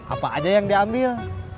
apa aja yang diambil